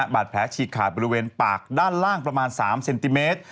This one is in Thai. บาดแผลฉีกขาดบริเวณปากด้านล่างประมาณ๓เซนติเมตร